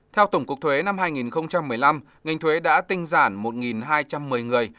theo tổng cục thuế năm hai nghìn một mươi năm ngành thuế đã tinh giản một hai trăm một mươi người